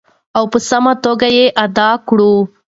او په سمه توګه یې ادا کړو.